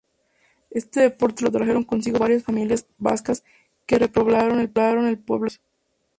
Este deporte lo trajeron consigo varias familias vascas que repoblaron el pueblo hace siglos.